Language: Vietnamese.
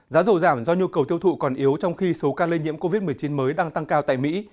giá dầu giảm do nhu cầu tiêu thụ còn yếu trong khi số ca lây nhiễm covid một mươi chín mới đang tăng cao tại mỹ